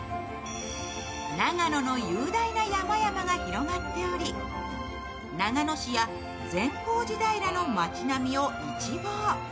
長野の雄大な山々が広がっており長野市や善光寺平の町並みを一望。